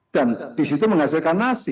dan disitu menghasilkan nasi